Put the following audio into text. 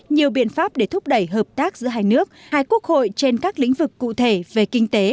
nhiều biện pháp để thúc đẩy hợp tác giữa hai nước hai quốc hội trên các lĩnh vực cụ thể về kinh tế